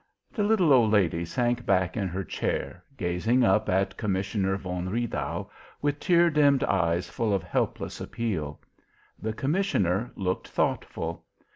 The little old lady sank back in her chair, gazing up at Commissioner von Riedau with tear dimmed eyes full of helpless appeal. The commissioner looked thoughtful.